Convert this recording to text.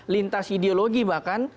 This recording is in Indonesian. lintas ideologi bahkan